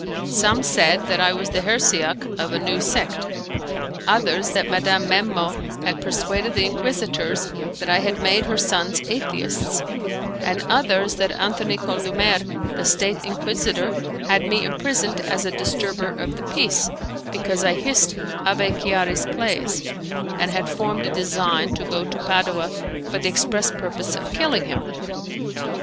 Some said that I was the heresiarch of a new sect; others that Madame Memmo had persuaded the Inquisitors that I had made her sons Atheists, and others that Antony Condulmer, the State Inquisitor, had me imprisoned as a disturber of the peace, because I hissed Abbé Chiari's plays, and had formed a design to go to Padua for the express purpose of killing him.